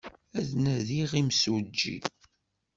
Ad d-nadiɣ imsujji.